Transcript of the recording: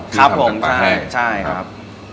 ครับผมใช่ครับ